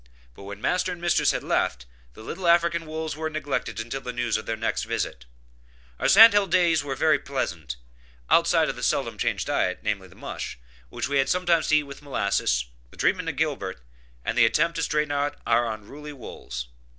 But when Master and Mistress had left, the little African wools were neglected until the news of their next visit. Our sand hill days were very pleasant, outside of the seldom changed diet, namely the mush, which we had sometimes to eat with molasses, the treatment of Gilbert, and the attempt to straighten out our unruly wools.